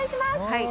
はい。